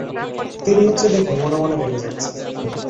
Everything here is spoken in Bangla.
দেরি হচ্ছে দেখে মনে-মনে রেগে যাচ্ছে।